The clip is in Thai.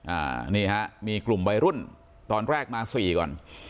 อ่านี่ฮะมีกลุ่มวัยรุ่นตอนแรกมาสี่ก่อน